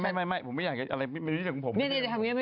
อะไรไม่ใช่ของผม